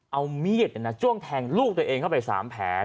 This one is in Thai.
อ้อเอาเมียดน่ะจ้วงแทงลูกตัวเองเข้าไปสามแผล